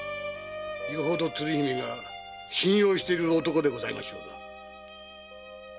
よほど鶴姫が信用している男でございましょう。